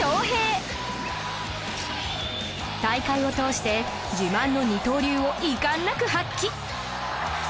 大会を通して自慢の二刀流を遺憾なく発揮